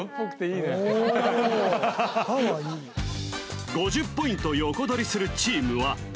うん５０ポイント横取りするチームは？